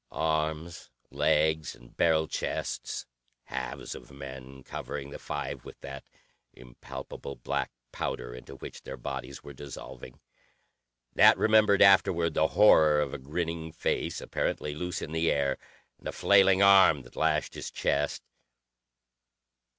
Arms, legs, and barrel chests, halves of men, covering the five with that impalpable black powder into which their bodies were dissolving. Nat remembered afterward the horror of a grinning face, apparently loose in the air, and a flailing arm that lashed his chest.